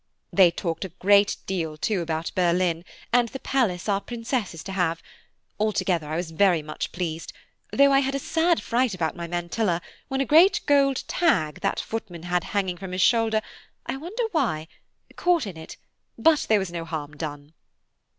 They talked a great deal too about Berlin, and the palace our Princess is to have; altogether I was very much pleased, though I had a sad fright about my mantilla when a great gold tag that footman had hanging from his shoulder–I wonder why?–caught in it, but there was no harm done."